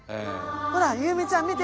ほら佑海ちゃん見て。